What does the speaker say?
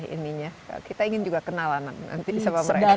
ininya kita ingin juga kenalan nanti